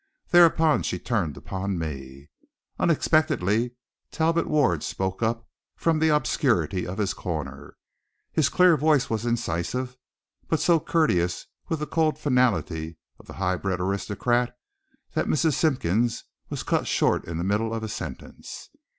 Thereupon she turned on me. Unexpectedly Talbot Ward spoke up from the obscurity of his corner. His clear voice was incisive, but so courteous with the cold finality of the high bred aristocrat, that Mrs. Simpkins was cut short in the middle of a sentence.